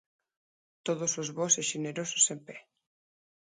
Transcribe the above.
Todos os bos e xenerosos en pé.